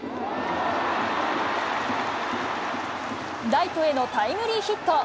ライトへのタイムリーヒット。